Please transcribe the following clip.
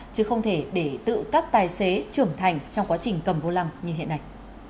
chứ không thể để tự các tài xế trưởng thành trong quá trình cầm vô lăng như hiện nay